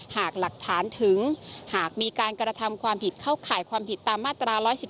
หากหลักฐานถึงหากมีการกระทำความผิดเข้าข่ายความผิดตามมาตรา๑๑๒